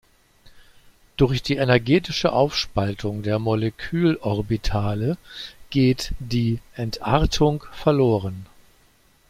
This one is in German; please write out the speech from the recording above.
Durch die energetische Aufspaltung der Molekülorbitale geht die Entartung verloren.